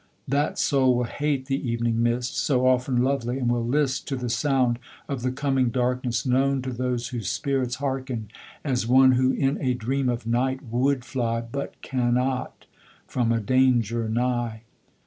That soul will hate the ev'ning mist, So often lovely, and will list To the sound of the coming darkness (known To those whose spirits hearken) as one Who, in a dream of night, would fly But cannot, from a danger nigh.